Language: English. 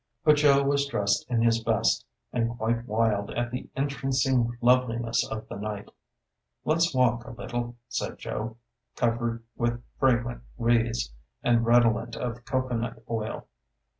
But Joe was dressed in his best, and quite wild at the entrancing loveliness of the night. "Let's walk a little," said Joe, covered with fragrant wreaths, and redolent of cocoanut oil.